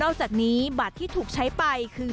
จากนี้บัตรที่ถูกใช้ไปคือ